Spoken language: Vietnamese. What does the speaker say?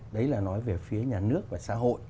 đấy là nói về phía nhà nước và xã hội